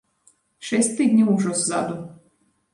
Шэсць тыдняў ўжо ззаду.